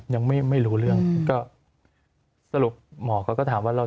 ยังไม่รู้เรื่องก็สรุปหมอเขาก็ถามว่าเรา